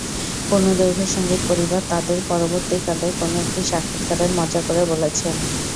পূর্ণদৈর্ঘ্য সংগীত পরিবার তাঁদের, পরবর্তীকালে কোনো একটি সাক্ষাৎকারে মজা করে বলেছেন।